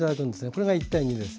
これが１：２です。